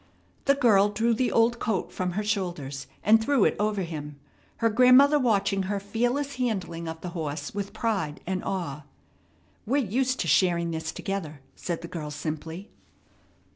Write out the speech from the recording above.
The girl drew the old coat from her shoulders, and threw it over him, her grandmother watching her fearless handling of the horse with pride and awe. "We're used to sharing this together," said the girl simply.